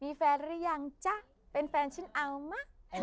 มีแฟนรึยังจ๊ะเป็นแฟนฉันเอามะ